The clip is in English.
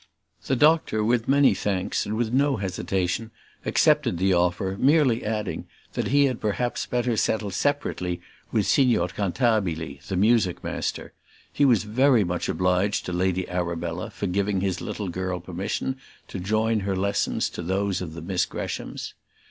The doctor with many thanks and with no hesitation, accepted the offer, merely adding, that he had perhaps better settle separately with Signor Cantabili, the music master. He was very much obliged to Lady Arabella for giving his little girl permission to join her lessons to those of the Miss Greshams.